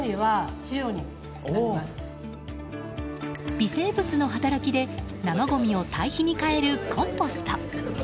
微生物の働きで、生ごみを堆肥に変えるコンポスト。